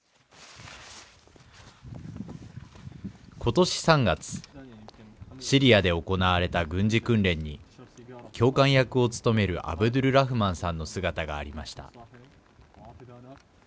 ことし３月シリアで行われた軍事訓練に教官役を務めるアブドゥルラフマンさんの姿がありました。